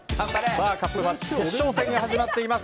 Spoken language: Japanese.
カップマッチ決勝戦が始まっています。